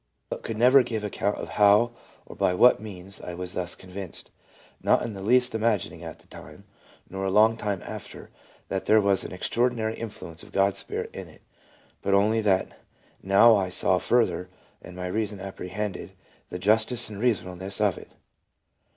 PSYCHOLOGY OF RELIGIOUS PHENOMENA. 339 But never could give an account how, or by what means, I was thus convinced, not in the least imagining at the time, nor a long time after, that there was any extraordinary influ ence of God's Spirit in it ; but only that now I saw further, and my reason apprehended the justice and reasonableness of it.'